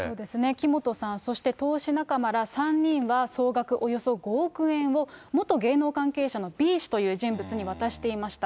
木本さん、そして投資仲間ら３人は、総額およそ５億円を、元芸能関係者のＢ氏という人物に渡していました。